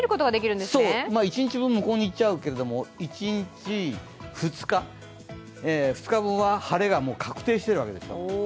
一日分向こうにいっちゃうけれども、２日分は晴れが確定しているわけです。